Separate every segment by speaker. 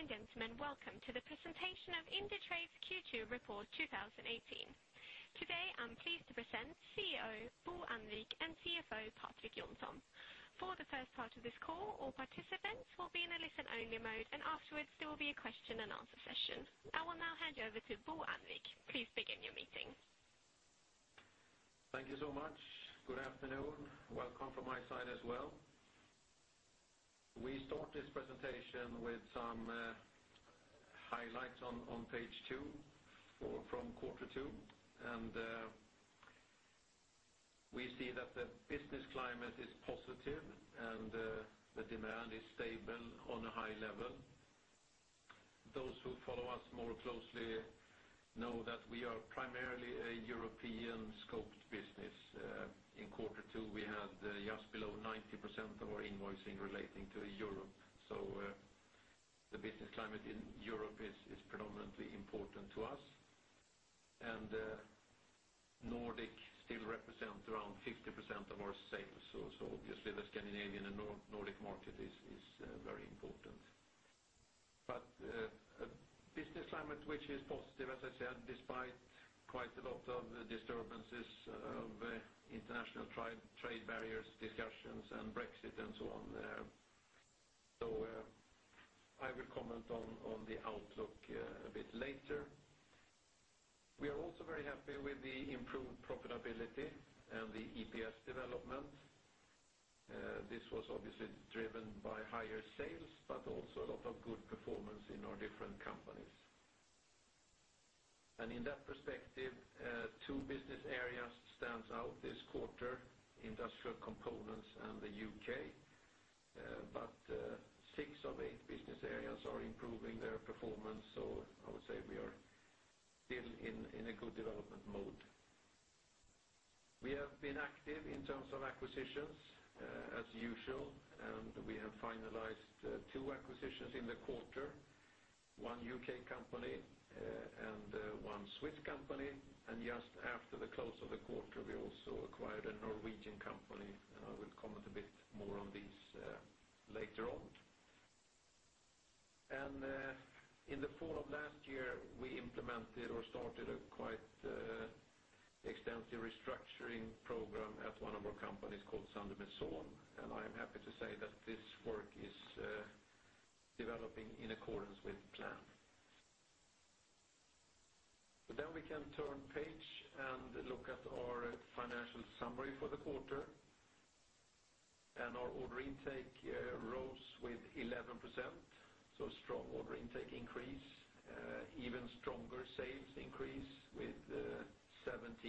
Speaker 1: Ladies and gentlemen, welcome to the presentation of Indutrade's Q2 Report 2018. Today, I'm pleased to present CEO Bo Annvik and CFO Patrik Johnson. For the first part of this call, all participants will be in a listen-only mode, and afterwards there will be a question-and-answer session. I will now hand you over to Bo Annvik. Please begin your meeting.
Speaker 2: Thank you so much. Good afternoon. Welcome from my side as well. We start this presentation with some highlights on page 2 from quarter 2. We see that the business climate is positive, and the demand is stable on a high level. Those who follow us more closely know that we are primarily a European-scoped business. In quarter two, we had just below 90% of our invoicing relating to Europe. The business climate in Europe is predominantly important to us. Nordic still represents around 50% of our sales, so obviously the Scandinavian and Nordic market is very important. A business climate which is positive, as I said, despite quite a lot of disturbances of international trade barriers, discussions, and Brexit, and so on. I will comment on the outlook a bit later. We are also very happy with the improved profitability and the EPS development. This was obviously driven by higher sales, but also a lot of good performance in our different companies. In that perspective, two business areas stands out this quarter, Industrial Components and the U.K., but six of eight business areas are improving their performance. I would say we are still in a good development mode. We have been active in terms of acquisitions, as usual, and we have finalized two acquisitions in the quarter, one U.K. company and one Swiss company. Just after the close of the quarter, we also acquired a Norwegian company, and I will comment a bit more on these later on. In the fall of last year, we implemented or started a quite extensive restructuring program at one of our companies called [Sandvik Sol]. I am happy to say that this work is developing in accordance with plan. We can turn page and look at our financial summary for the quarter. Our order intake rose with 11%, so strong order intake increase, even stronger sales increase with 17%.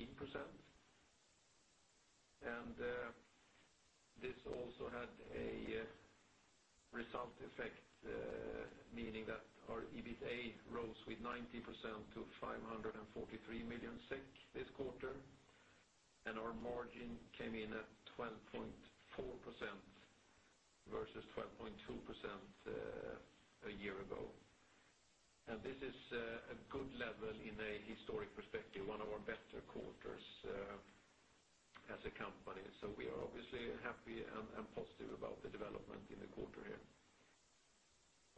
Speaker 2: This also had a result effect, meaning that our EBITA rose with 19% to 543 million SEK this quarter, and our margin came in at 12.4% versus 12.2% a year ago. This is a good level in a historic perspective, one of our better quarters as a company. We are obviously happy and positive about the development in the quarter here.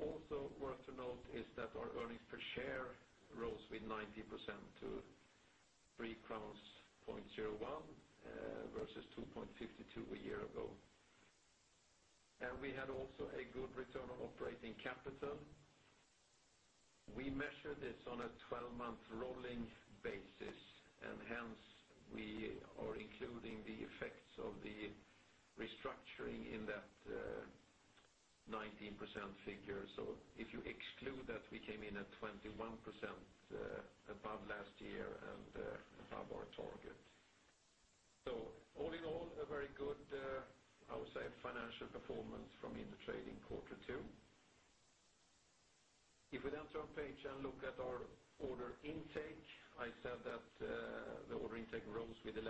Speaker 2: Also worth to note is that our earnings per share rose with 19% to 3.01 versus 2.52 a year ago. We had also a good return on operating capital. We measure this on a 12-month rolling basis, we are including the effects of the restructuring in that 19% figure. If you exclude that, we came in at 21% above last year and above our target. All in all, a very good, I would say, financial performance from Indutrade in quarter two. If we turn page and look at our order intake, I said that the order intake rose with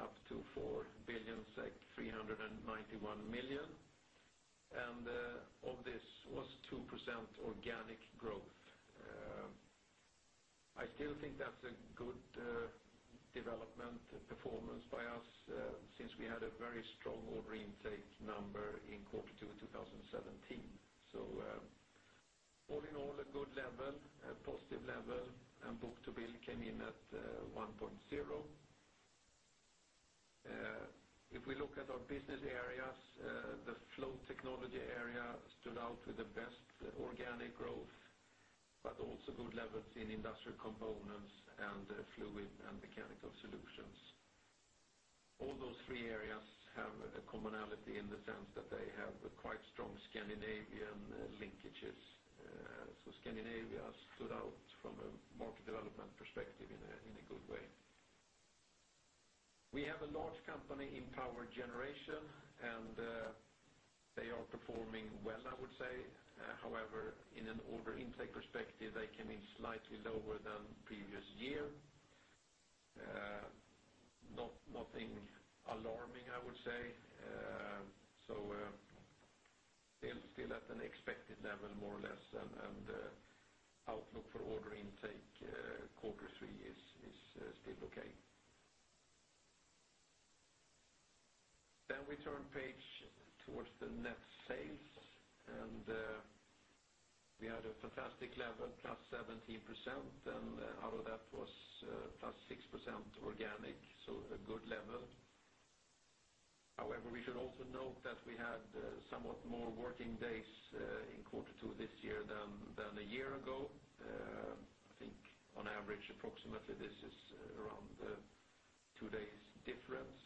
Speaker 2: 11%, up to 4,391 million SEK. Of this was 2% organic growth. I still think that's a good development performance by us, since we had a very strong order intake number in Q2 2017. All in all, a good level, a positive level, book-to-bill came in at 1.0. If we look at our business areas, the Flow Technology area stood out with the best organic growth, also good levels in Industrial Components and Fluids & Mechanical Solutions. All those three areas have a commonality in the sense that they have quite strong Scandinavian linkages. Scandinavia stood out from a market development perspective in a good way. We have a large company in power generation, they are performing well, I would say. However, in an order intake perspective, they came in slightly lower than previous year. Nothing alarming, I would say. Still at an expected level, more or less, outlook for order intake quarter three is still okay. We turn page towards the net sales, we had a fantastic level, +17%, out of that was +6% organic, a good level. However, we should also note that we had somewhat more working days in quarter two this year than a year ago. I think on average, approximately this is around two days difference.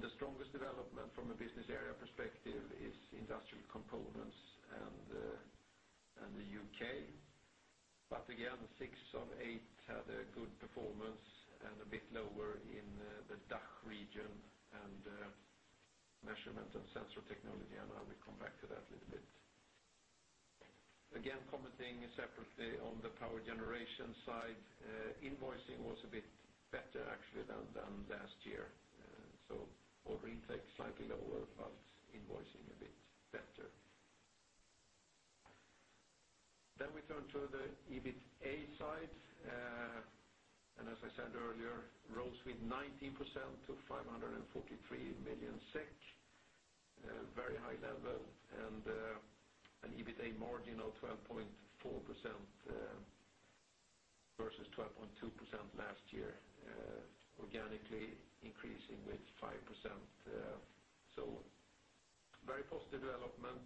Speaker 2: The strongest development from a business area perspective is Industrial Components and the U.K. Again, six of eight had a good performance and a bit lower in the DACH region and measurement and sensor technology, I will come back to that a little bit. Again, commenting separately on the power generation side, invoicing was a bit better actually than last year. Order intake slightly lower, invoicing a bit better. We turn to the EBITA side. As I said earlier, rose with 19% to 543 million SEK, a very high level, an EBITA margin of 12.4% versus 12.2% last year, organically increasing with 5%. Very positive development.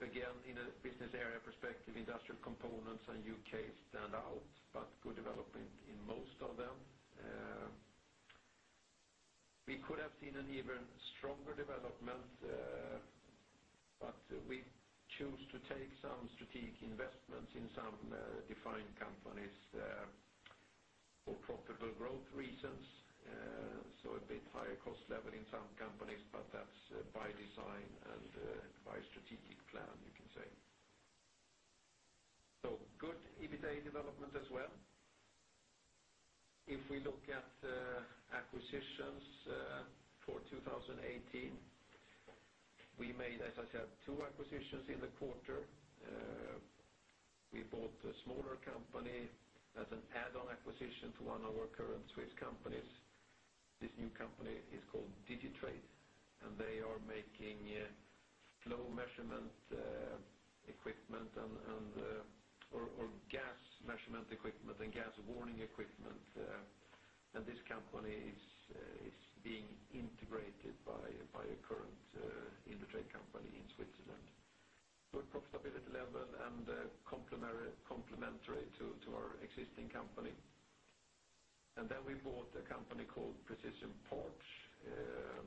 Speaker 2: Again, in a business area perspective, Industrial Components and U.K. stand out, good development in most of them. We could have seen an even stronger development, we choose to take some strategic investments in some defined companies for profitable growth reasons. A bit higher cost level in some companies, that's by design and by strategic plan, you can say. Good EBITA development as well. If we look at acquisitions for 2018, we made, as I said, two acquisitions in the quarter. We bought a smaller company as an add-on acquisition to one of our current Swiss companies. This new company is called Digitrade, they are making flow measurement equipment or gas measurement equipment and gas warning equipment. This company is being integrated by a current Indutrade company in Switzerland. Good profitability level and complementary to our existing company. We bought a company called Precision Parts, a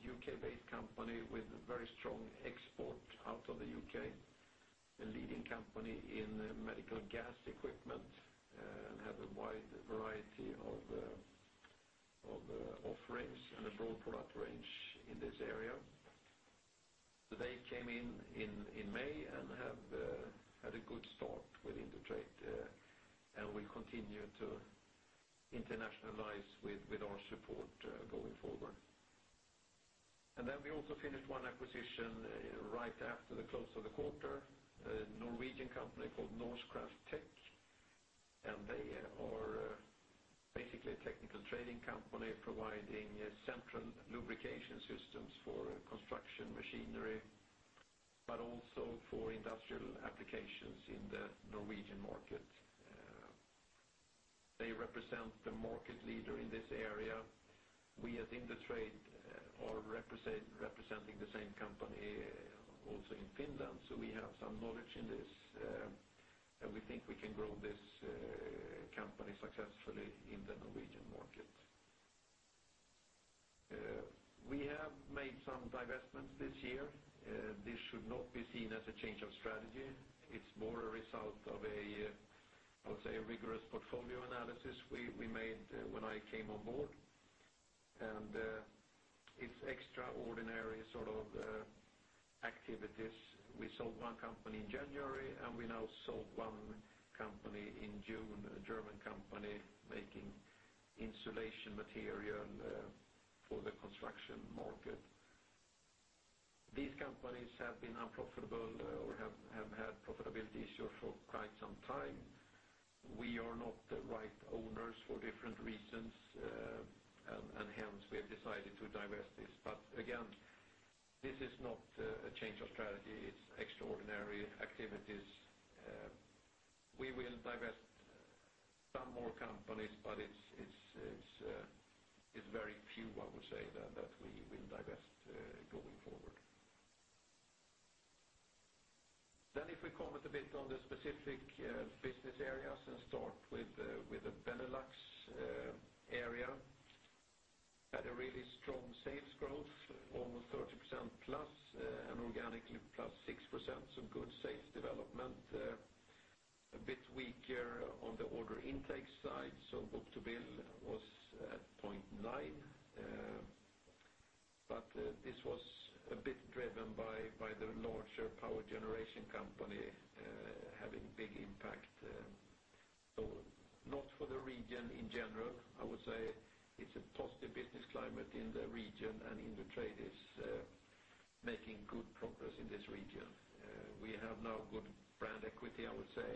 Speaker 2: U.K.-based company with very strong export out of the U.K., a leading company in medical gas equipment and have a wide variety of offerings and a broad product range in this area. They came in in May and have had a good start with Indutrade, and will continue to internationalize with our support going forward. We also finished one acquisition right after the close of the quarter, a Norwegian company called Norsecraft Tec, and they are basically a technical trading company providing central lubrication systems for construction machinery, but also for industrial applications in the Norwegian market. They represent the market leader in this area. We at Indutrade are representing the same company also in Finland, so we have some knowledge in this, and we think we can grow this company successfully in the Norwegian market. We have made some divestments this year. This should not be seen as a change of strategy. It's more a result of, I would say, a rigorous portfolio analysis we made when I came on board, and it's extraordinary sort of activities. We sold one company in January, and we now sold one company in June, a German company making insulation material for the construction market. These companies have been unprofitable or have had profitability issues for quite some time. We are not the right owners for different reasons, and hence we have decided to divest this. But again, this is not a change of strategy. It's extraordinary activities. We will divest some more companies, but it's very few, I would say, that we will divest going forward. If we comment a bit on the specific business areas and start with the Benelux area, had a really strong sales growth, almost 30%+, and organically +6%, good sales development. A bit weaker on the order intake side. book-to-bill was at 0.9, but this was a bit driven by the larger power generation company having big impact. Not for the region in general, I would say it's a positive business climate in the region and Indutrade is making good progress in this region. We have now good brand equity, I would say,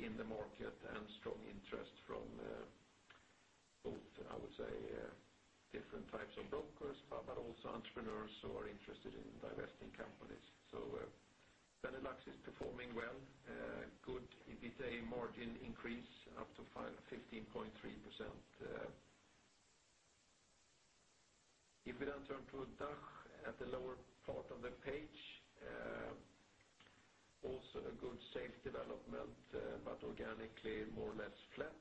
Speaker 2: in the market and strong interest from both different types of brokers, but also entrepreneurs who are interested in divesting companies. Benelux is performing well. Good EBITDA margin increase up to 15.3%. If we then turn to DACH at the lower part of the page, also a good safe development, but organically more or less flat.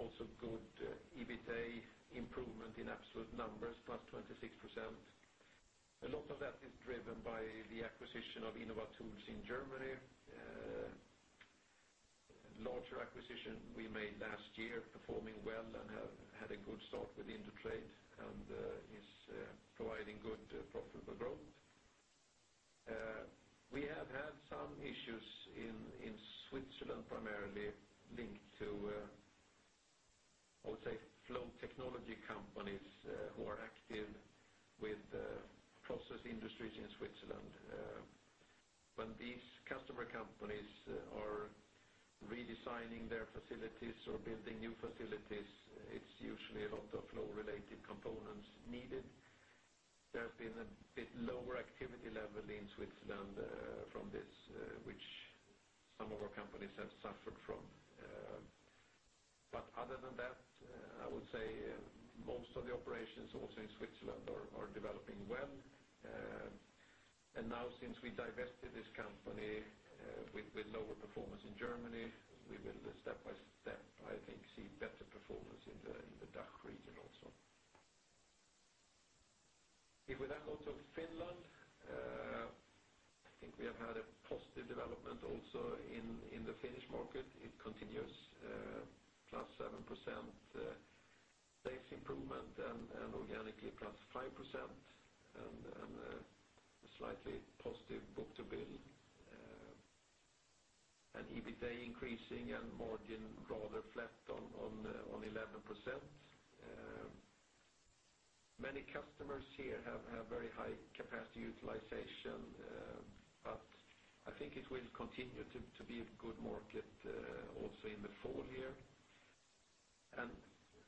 Speaker 2: Also good EBITDA improvement in absolute numbers, +26%. A lot of that is driven by the acquisition of Inovatools in Germany. Larger acquisition we made last year, performing well and have had a good start with Indutrade, and is providing good profitable growth. We have had some issues in Switzerland, primarily linked to, I would say, Flow Technology companies who are active with process industries in Switzerland. When these customer companies are redesigning their facilities or building new facilities, it's usually a lot of flow-related components needed. There has been a bit lower activity level in Switzerland from this, which some of our companies have suffered from. But other than that, I would say most of the operations also in Switzerland are developing well. Now since we divested this company with lower performance in Germany, we will step by step, I think, see better performance in the DACH region also. We then go to Finland, I think we have had a positive development also in the Finnish market. It continues, +7% base improvement and organically +5%, and a slightly positive book-to-bill, and EBITA increasing and margin rather flat on 11%. Many customers here have very high capacity utilization, but I think it will continue to be a good market also in the fall here.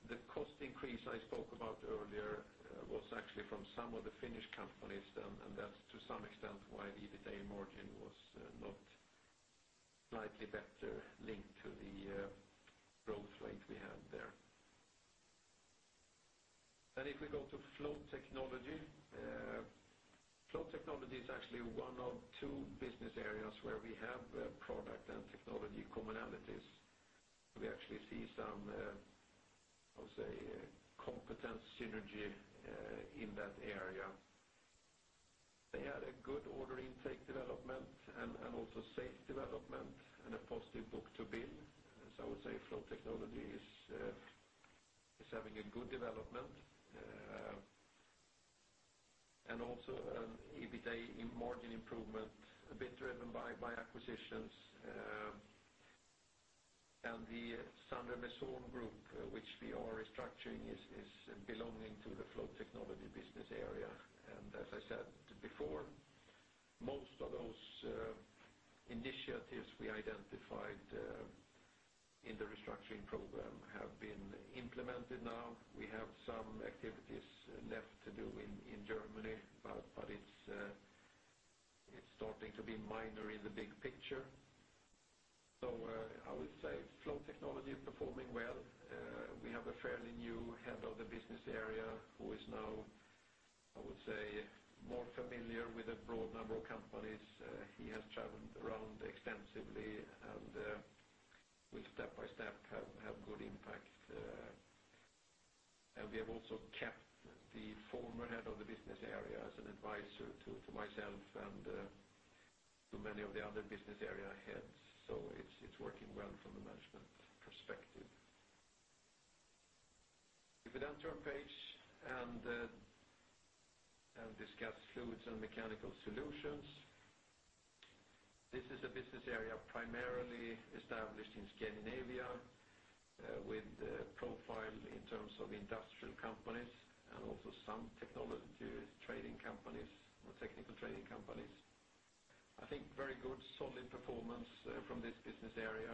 Speaker 2: The cost increase I spoke about earlier was actually from some of the Finnish companies, and that is to some extent why the EBITA margin was not slightly better linked to the growth rate we had there. We then go to Flow Technology. Flow Technology is actually one of two business areas where we have product and technology commonalities. We actually see some, I would say, competence synergy in that area. They had a good order intake development and also safe development and a positive book-to-bill. So I would say Flow Technology is having a good development, and also an EBITA margin improvement, a bit driven by acquisitions. The Sandrew Mason group, which we are restructuring, is belonging to the Flow Technology business area. As I said before, most of those initiatives we identified in the restructuring program have been implemented now. We have some activities left to do in Germany, but it is starting to be minor in the big picture. So I would say Flow Technology is performing well. We have a fairly new head of the business area who is now, I would say, more familiar with a broad number of companies. He has traveled around extensively and will step by step have good impact. We have also kept the former head of the business area as an advisor to myself and to many of the other business area heads. So it is working well from a management perspective. We turn page and discuss Fluids and Mechanical Solutions. This is a business area primarily established in Scandinavia, with a profile in terms of industrial companies and also some technology trading companies or technical trading companies. I think very good solid performance from this business area,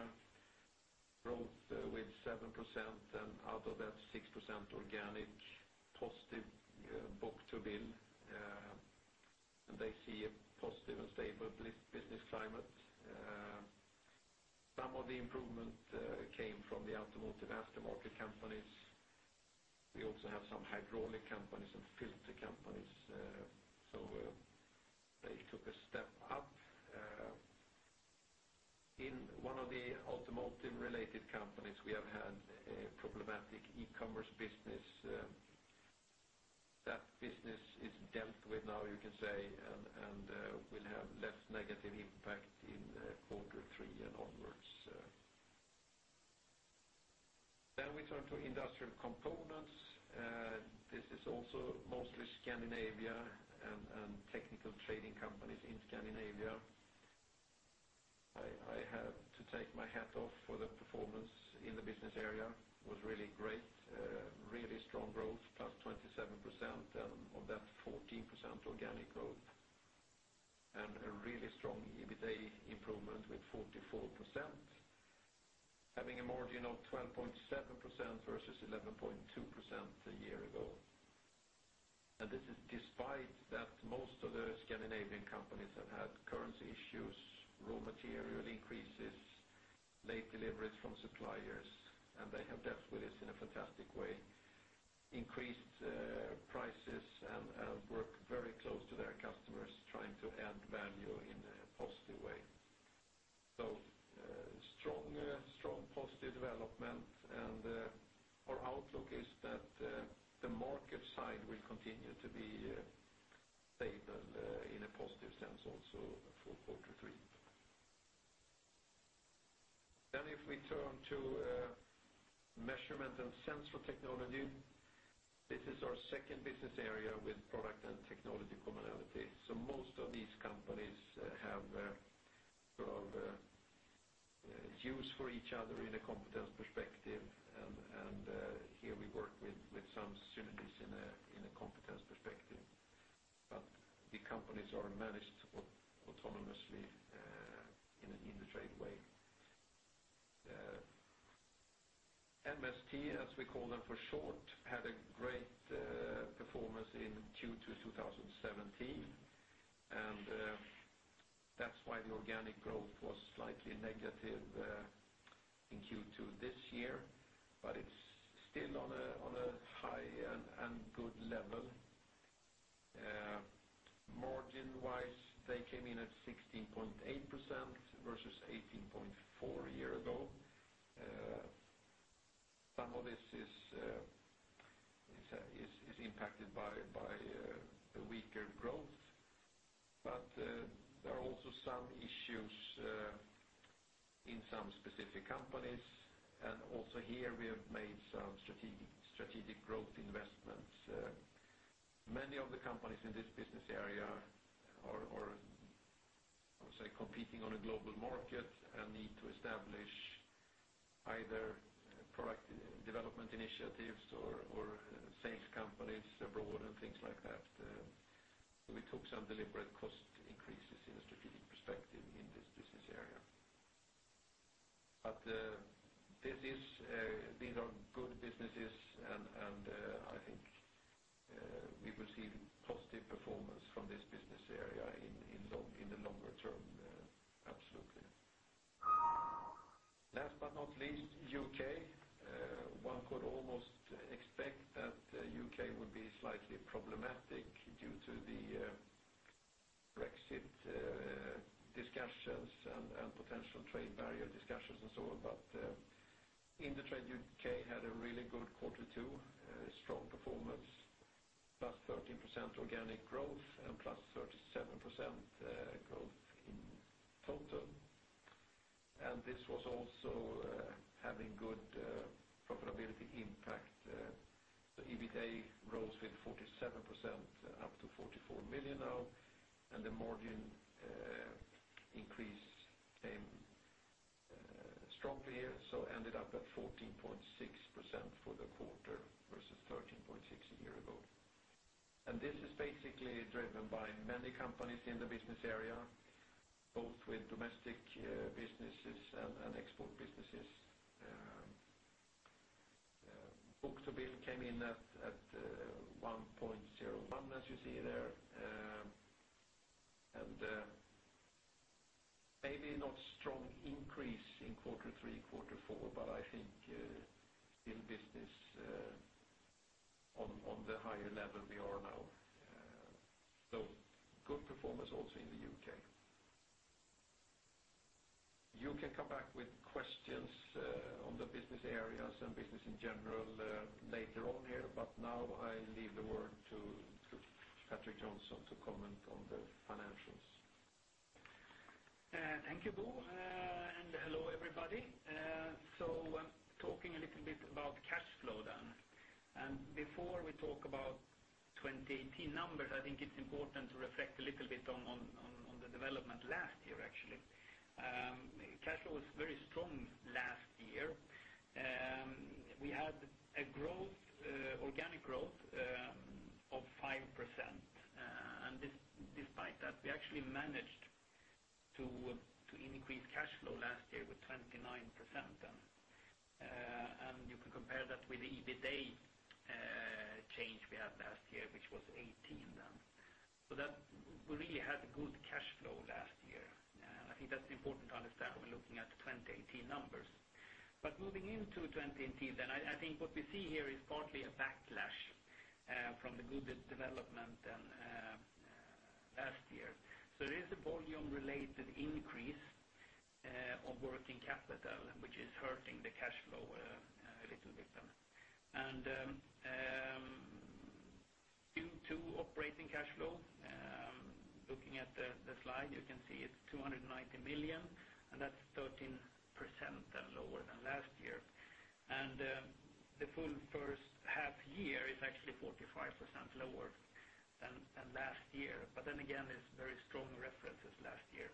Speaker 2: growth with +7%, and out of that +6% organic positive book-to-bill, and they see a positive and stable business climate. Some of the improvement came from the automotive aftermarket companies. We also have some hydraulic companies and filter companies, so they took a step up. In one of the automotive-related companies, we have had a problematic e-commerce business. That business is dealt with now, you can say, and will have less negative impact in quarter 3 and onwards. We turn to Industrial Components. This is also mostly Scandinavia and technical trading companies in Scandinavia. I have to take my hat off for the performance in the business area, was really great. Really strong growth, +27%, and of that, 14% organic growth, and a really strong EBITA improvement with 44%, having a margin of 12.7% versus 11.2% a year ago. This is despite that most of the Scandinavian companies have had currency issues, raw material increases, late deliveries from suppliers, and they have dealt with this in a fantastic way, increased prices, and worked very close to their customers trying to add value in a positive way. Strong positive development, and our outlook is that the market side will continue to be stable in a positive sense also for quarter three. If we turn to measurement and sensor technology, this is our second business area with product and technology commonality. Most of these companies have use for each other in a competence perspective, and here we work with some synergies in a competence perspective. The companies are managed autonomously in an Indutrade way. MST, as we call them for short, had a great performance in Q2 2017, that's why the organic growth was slightly negative in Q2 this year, it's still on a high and good level. Margin-wise, they came in at 16.8% versus 18.4% a year ago. Some of this is impacted by a weaker growth, there are also some issues in some specific companies, also here we have made some strategic growth investments. Many of the companies in this business area are, I would say, competing on a global market and need to establish either product development initiatives or sales companies abroad and things like that. We took some deliberate cost increases in a strategic perspective in this business area. These are good businesses, and I think we will see positive performance from this business area in the longer term, absolutely. Last but not least, U.K. One could almost expect that U.K. would be slightly problematic due to the Brexit discussions and potential trade barrier discussions and so on. Indutrade U.K. had a really good quarter two, strong performance, plus 13% organic growth and plus 37% growth in total. This was also having good profitability impact. The EBITA rose with 47% up to 44 million now, the margin increase came strongly here, ended up at 14.6% for the quarter versus 13.6% a year ago. This is basically driven by many companies in the business area, both with domestic businesses and export businesses. Book-to-bill came in at 1.01, as you see there. Maybe not strong increase in quarter three, quarter four, but I think still business on the higher level we are now. Good performance also in the U.K. You can come back with questions on the business areas and business in general later on here, now I leave the word to Patrik Johnson to comment on the financials.
Speaker 3: Thank you, Bo, and hello, everybody. Talking a little bit about cash flow. Before we talk about 2018 numbers, I think it's important to reflect a little bit on the development last year, actually. Cash flow was very strong last year. We had organic growth of 5%, and despite that, we actually managed to increase cash flow last year with 29%, and you can compare that with the EBITA change we had last year, which was 18%. We really had good cash flow last year, and I think that's important to understand when looking at the 2018 numbers. Moving into 2018, I think what we see here is partly a backlash from the good development last year. There is a volume-related increase of working capital, which is hurting the cash flow a little bit. Q2 operating cash flow, looking at the slide, you can see it's 290 million, and that's 13% lower than last year. The full first half year is actually 45% lower last year, again, it's very strong references last year.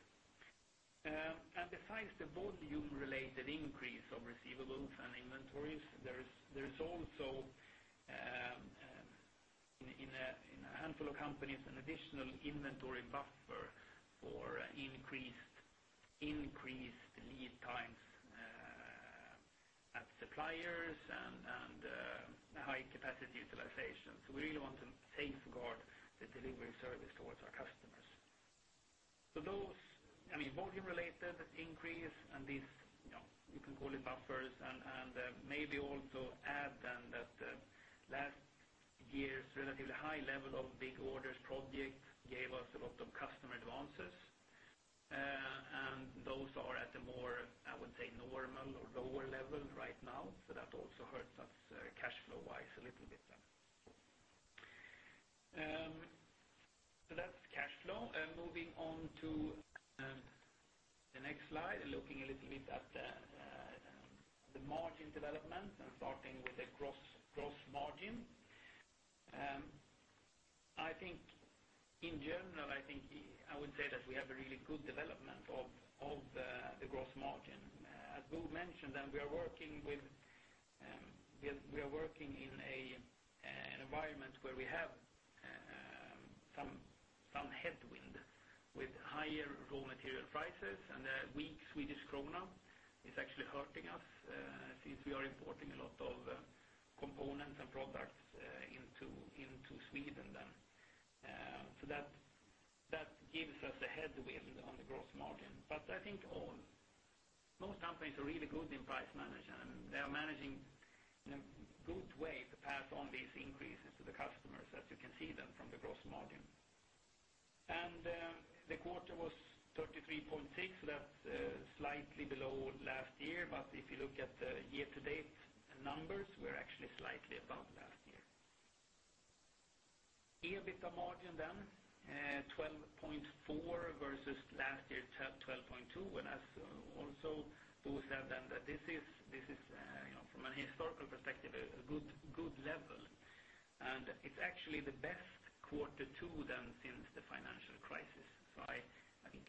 Speaker 3: Besides the volume-related increase of receivables and inventories, there is also, in a handful of companies, an additional inventory buffer for increased lead times at suppliers and high capacity utilization. We really want to safeguard the delivery service towards our customers. Those volume-related increase and these, you can call it buffers, and maybe also add that last year's relatively high level of big orders projects gave us a lot of customer advances. Those are at a more, I would say, normal or lower level right now, that also hurts us cash flow-wise a little bit. That's cash flow. Moving on to the next slide, looking a little bit at the margin development and starting with the gross margin. I think in general, I would say that we have a really good development of the gross margin. As Bo mentioned, we are working in an environment where we have some headwind with higher raw material prices, and a weak Swedish krona is actually hurting us since we are importing a lot of components and products into Sweden. That gives us a headwind on the gross margin. I think all, most companies are really good in price management. They are managing in a good way to pass on these increases to the customers, as you can see from the gross margin. The quarter was 33.6%. That's slightly below last year, but if you look at the year-to-date numbers, we're actually slightly above last year. EBITDA margin, 12.4% versus last year, 12.2%, and as also Bo said, that this is, from an historical perspective, a good level, and it's actually the best Q2 since the financial crisis. I think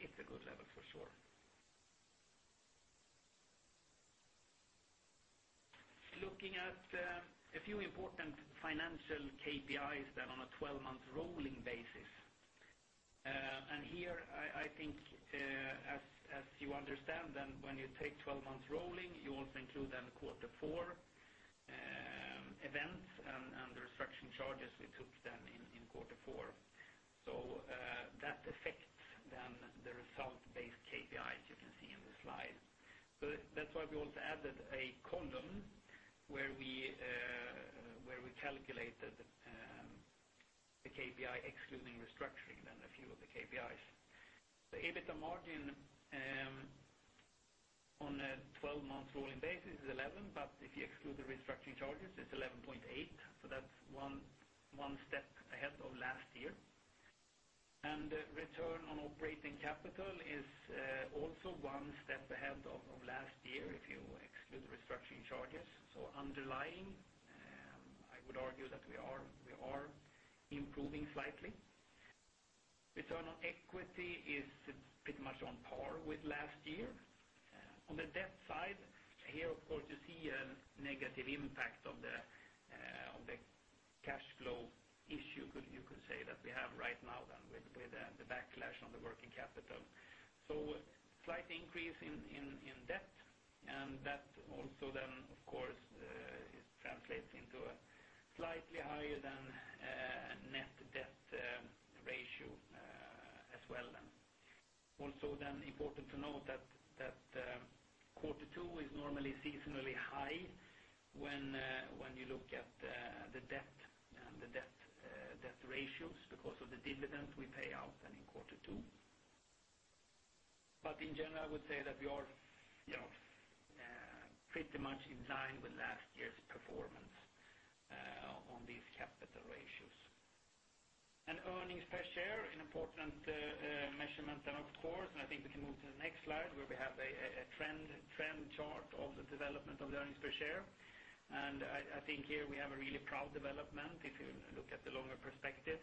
Speaker 3: it's a good level for sure. Looking at a few important financial KPIs on a 12-month rolling basis. Here, I think, as you understand, when you take 12 months rolling, you also include Q4 events and the restructuring charges we took in Q4. That affects the result-based KPIs you can see in the slide. That's why we also added a column where we calculated the KPI excluding restructuring, a few of the KPIs. The EBITDA margin on a 12-month rolling basis is 11%, but if you exclude the restructuring charges, it's 11.8%, that's one step ahead of last year. Return on operating capital is also one step ahead of last year if you exclude restructuring charges. Underlying, I would argue that we are improving slightly. Return on equity is pretty much on par with last year. On the debt side, here, of course, you see a negative impact on the cash flow issue, you could say, that we have right now then with the backlash on the working capital. Slight increase in debt, that also then, of course, is translating to a slightly higher than net debt ratio as well then. Important to note that quarter two is normally seasonally high when you look at the debt ratios because of the dividends we pay out in quarter two. In general, I would say that we are pretty much in line with last year's performance on these capital ratios. Earnings per share, an important measurement then, of course, and I think we can move to the next slide where we have a trend chart of the development of the earnings per share. I think here we have a really proud development if you look at the longer perspective.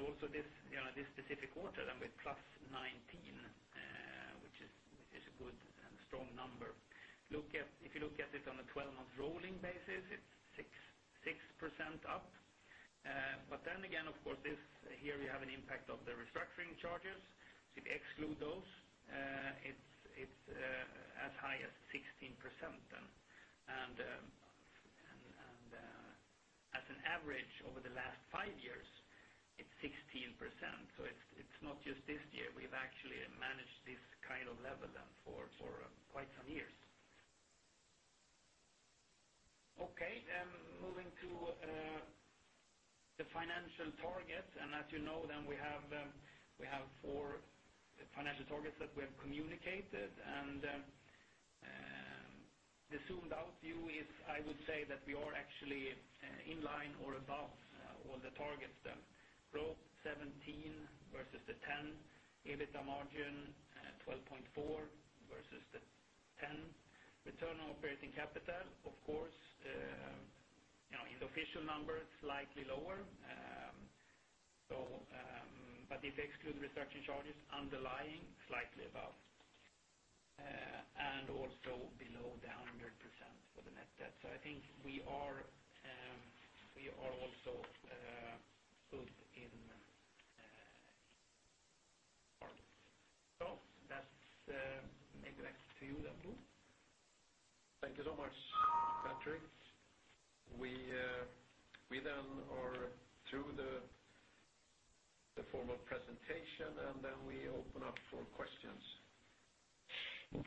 Speaker 3: Also this specific quarter then with +19, which is a good and strong number. If you look at it on a 12-month rolling basis, it's 6% up. Again, of course, here we have an impact of the restructuring charges. If you exclude those, it's as high as 16% then. As an average over the last five years, it's 16%. It's not just this year. We've actually managed this kind of level then for quite some years. Moving to the financial targets, as you know then, we have four financial targets that we have communicated. The zoomed-out view is, I would say that we are actually in line or above all the targets Growth 17% versus the 10%. EBITA margin 12.4% versus the 10%. Return on operating capital, of course, in official numbers, slightly lower. If you exclude restructuring charges, underlying, slightly above. Also below the 100% for the net debt. I think we are also good in. That's it. Back to you, Bo.
Speaker 2: Thank you so much, Patrik. We then are through the formal presentation. Then we open up for questions.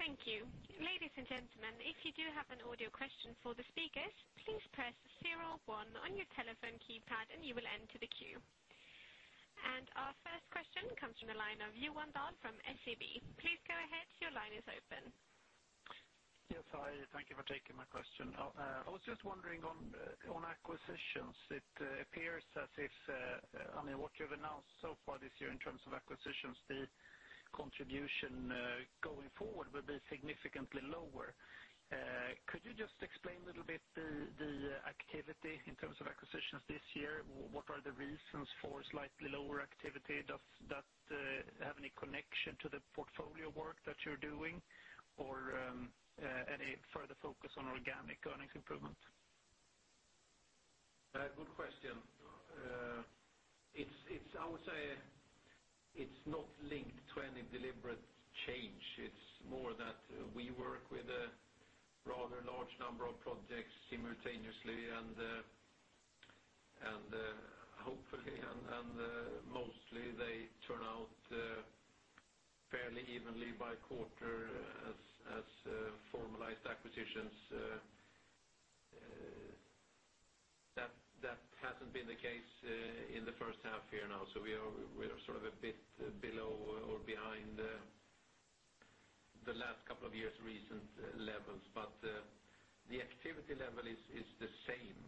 Speaker 1: Thank you. Ladies and gentlemen, if you do have an audio question for the speakers, please press 01 on your telephone keypad and you will enter the queue. Our first question comes from the line of Johan Dahl from SEB. Please go ahead, your line is open.
Speaker 4: Yes, hi. Thank you for taking my question. I was just wondering on acquisitions. It appears that if, I mean, what you've announced so far this year in terms of acquisitions, the contribution going forward will be significantly lower. Could you just explain a little bit the activity in terms of acquisitions this year? What are the reasons for slightly lower activity? Does that have any connection to the portfolio work that you're doing, or any further focus on organic earnings improvement?
Speaker 2: Good question. I would say it's not linked to any deliberate change. It's more that we work with a rather large number of projects simultaneously, and hopefully and mostly they turn out fairly evenly by quarter as formalized acquisitions. That hasn't been the case in the first half here now. We are sort of a bit below or behind the last couple of years' recent levels. The activity level is the same,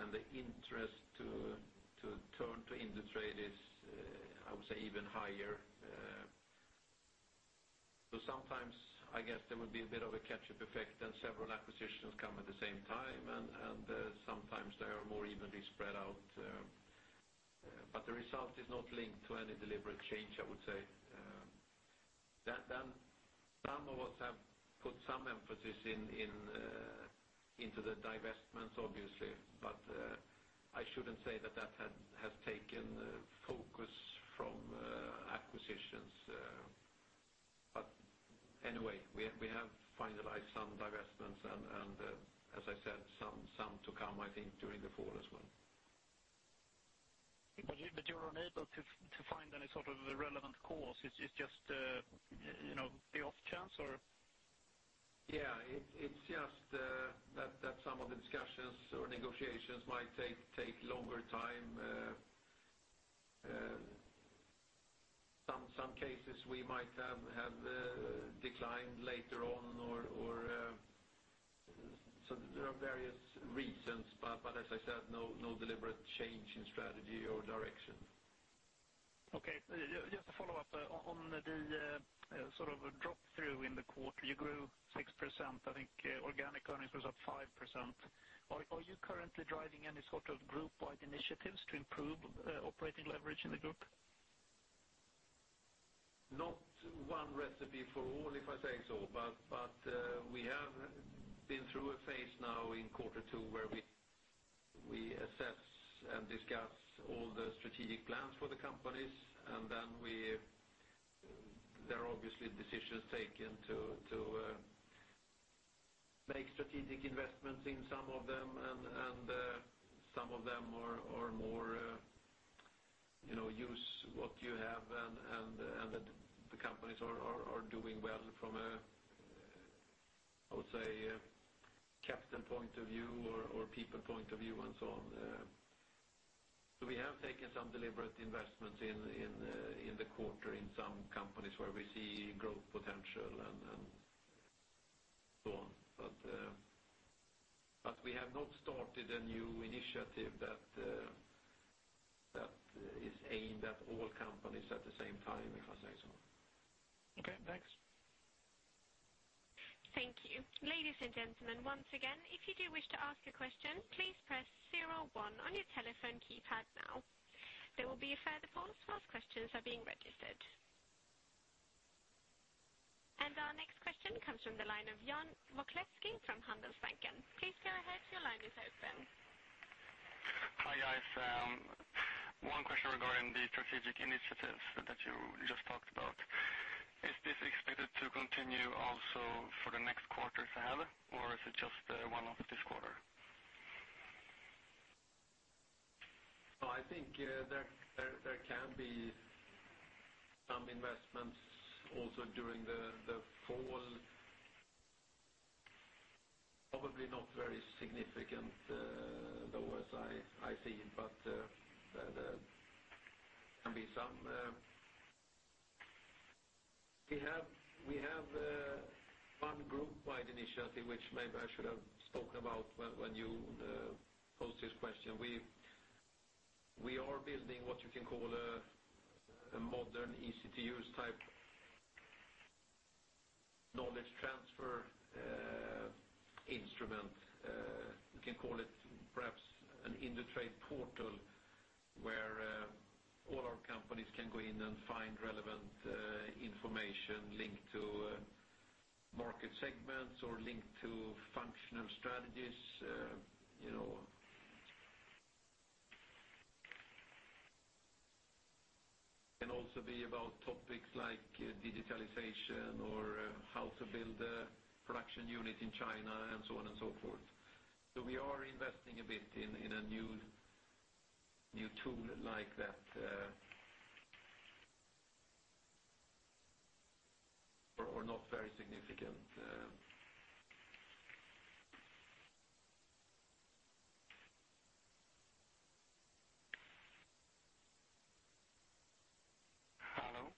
Speaker 2: and the interest to turn to Indutrade is, I would say, even higher. Sometimes, I guess there will be a bit of a catch-up effect and several acquisitions come at the same time, and sometimes they are more evenly spread out. The result is not linked to any deliberate change, I would say. Some of us have put some emphasis into the divestments, obviously, but I shouldn't say that that has taken focus from acquisitions. Anyway, we have finalized some divestments and, as I said, some to come, I think, during the fall as well.
Speaker 4: You were unable to find any sort of relevant cause. It's just the off chance, or?
Speaker 2: Yeah. It's just that some of the discussions or negotiations might take longer time. Some cases we might have declined later on, or there are various reasons. As I said, no deliberate change in strategy or direction.
Speaker 4: Okay. Just to follow up, on the sort of drop through in the quarter, you grew 6%, I think organic earnings was up 5%. Are you currently driving any sort of group-wide initiatives to improve operating leverage in the group?
Speaker 2: Not one recipe for all, if I say so, but we have been through a phase now in quarter two where we assess and discuss all the strategic plans for the companies, and then there are obviously decisions taken to make strategic investments in some of them, and some of them are more use what you have and the companies are doing well from a, I would say, capital point of view or people point of view and so on. We have taken some deliberate investments in the quarter in some companies where we see growth potential and so on. We have not started a new initiative that is aimed at all companies at the same time, if I say so.
Speaker 4: Okay, thanks.
Speaker 1: Thank you. Ladies and gentlemen, once again, if you do wish to ask a question, please press 01 on your telephone keypad now. There will be a further pause whilst questions are being registered. Our next question comes from the line of Jan Wolkleski from Handelsbanken. Please go ahead, your line is open.
Speaker 5: Hi, guys. One question regarding the strategic initiatives that you just talked about. Is this expected to continue also for the next quarters ahead, or is it just one-off this quarter?
Speaker 2: I think there can be some investments also during the fall. Probably not very significant though, as I see it, but there can be. We have one group-wide initiative which maybe I should have spoken about when you posed this question. We are building what you can call a modern, easy-to-use type knowledge transfer instrument. You can call it perhaps an Indutrade portal where all our companies can go in and find relevant information linked to market segments or linked to functional strategies. It can also be about topics like digitalization or how to build a production unit in China and so on and so forth. We are investing a bit in a new tool like that. Not very significant. Hello?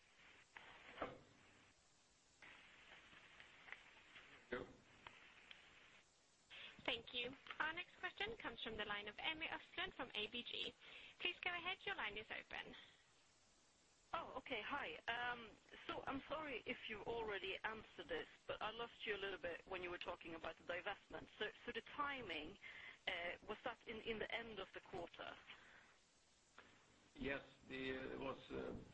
Speaker 2: There we go.
Speaker 1: Thank you. Our next question comes from the line of Emmy Östlund from ABG. Please go ahead. Your line is open.
Speaker 6: Oh, okay. Hi. I'm sorry if you already answered this, but I lost you a little bit when you were talking about the divestment. The timing, was that in the end of the quarter?
Speaker 2: Yes. It was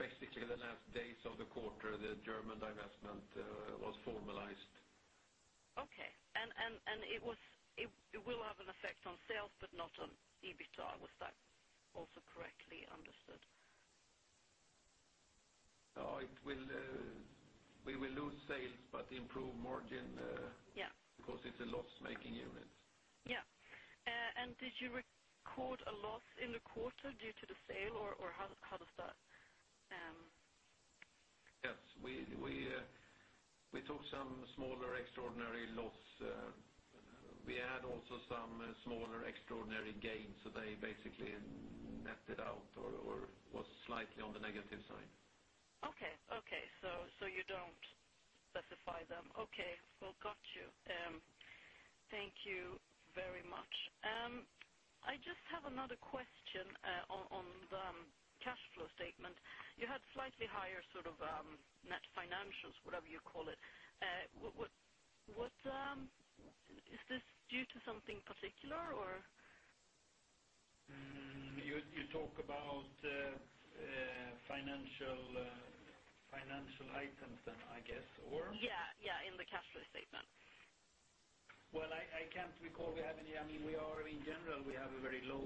Speaker 2: basically the last days of the quarter, the German divestment was formalized.
Speaker 6: Okay. It will have an effect on sales, but not on EBITDA. Was that also correctly understood?
Speaker 2: We will lose sales but improve margin.
Speaker 6: Yeah
Speaker 2: because it's a loss-making unit.
Speaker 6: Yeah. Did you record a loss in the quarter due to the sale or how does that?
Speaker 2: Yes. We took some smaller extraordinary loss. We had also some smaller extraordinary gains. They basically netted out or was slightly on the negative side.
Speaker 6: Okay. You don't specify them. Okay. Well, got you. Thank you very much. I just have another question on the cash flow statement. You had slightly higher net financials, whatever you call it. Is this due to something particular or?
Speaker 2: You talk about financial items then, I guess, or?
Speaker 6: Yeah. In the cash flow statement.
Speaker 2: Well, I can't recall we have. In general, we have a very low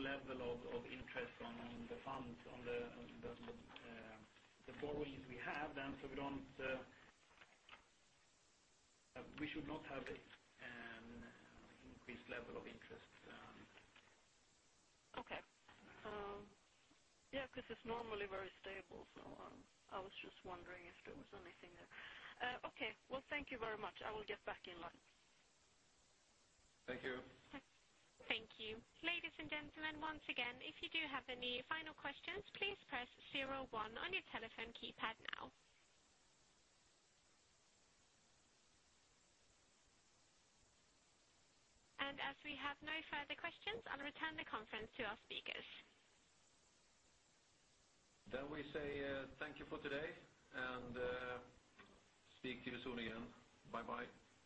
Speaker 2: level of interest on the borrowings we have. We should not have an increased level of interest.
Speaker 6: Okay. Yeah, because it's normally very stable. I was just wondering if there was anything there. Okay. Thank you very much. I will get back in line.
Speaker 2: Thank you.
Speaker 1: Thank you. Ladies and gentlemen, once again, if you do have any final questions, please press 01 on your telephone keypad now. As we have no further questions, I'll return the conference to our speakers.
Speaker 2: We say thank you for today and speak to you soon again. Bye-bye.